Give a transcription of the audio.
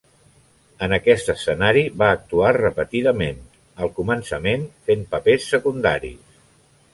En aquest escenari va actuar repetidament, al començament fent papers secundaris.